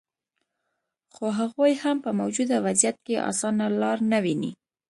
خو هغوي هم په موجوده وضعیت کې اسانه لار نه ویني